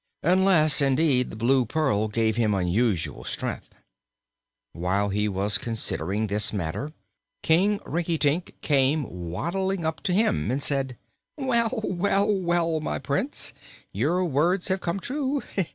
Unless, indeed, the Blue Pearl gave him unusual strength. While he was considering this matter, King Rinkitink came waddling up to him and said: "Well, well, well, my Prince, your words have come true!